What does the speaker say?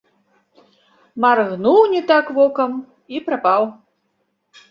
Маргнуў не так вокам і прапаў.